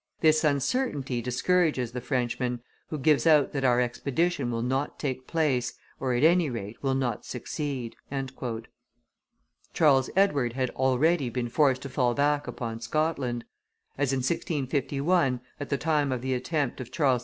This uncertainty discourages the Frenchman, who gives out that our expedition will not take place, or, at any rate, will not succeed." Charles Edward had already been forced to fall back upon Scotland. As in 1651, at the time of the attempt of Charles II.